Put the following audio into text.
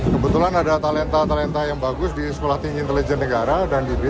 kebetulan ada talenta talenta yang bagus di sekolah tinggi intelijen negara dan di b